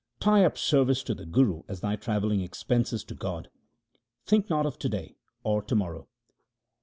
Tie up service to the Guru as thy travelling expenses to God ; think not of to day or to morrow.